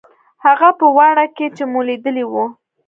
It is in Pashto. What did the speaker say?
هغه په واڼه کښې چې مو ليدلي وو.